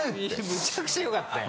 むちゃくちゃ良かったよ。